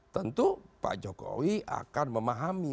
tentu pak jokowi akan memahami